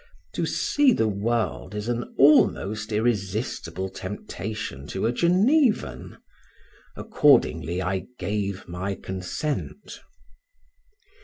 To see the world is an almost irresistible temptation to a Genevan, accordingly I gave my consent.